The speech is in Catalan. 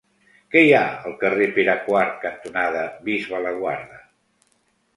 Què hi ha al carrer Pere IV cantonada Bisbe Laguarda?